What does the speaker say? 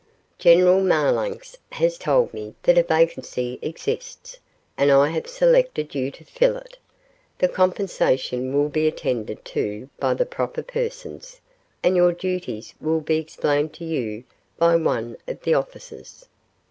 "General Marlanx has told me that a vacancy exists, and I have selected you to fill it. The compensation will be attended to by the proper persons, and your duties will be explained to you by one of the officers.